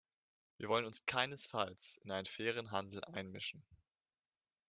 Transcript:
Wir wollen uns keinesfalls in einen fairen Handel einmischen.